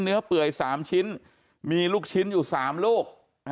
เปื่อย๓ชิ้นมีลูกชิ้นอยู่๓ลูก